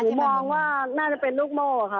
มองว่าน่าจะเป็นลูกโม่ค่ะ